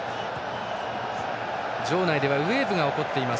場内ではウエーブが起こっています。